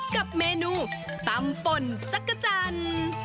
กับเมนูตำป่นจักรจันทร์